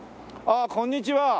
ああこんにちは。